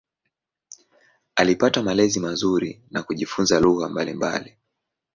Alipata malezi mazuri na kujifunza lugha mbalimbali.